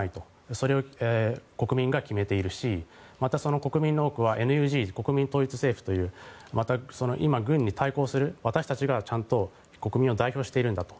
それは国民が決めているしまたその国民の多くは国民統一政府という今、軍に対抗する私たちが国民を代表しているんだと。